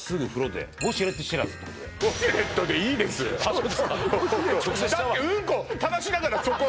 そうですか？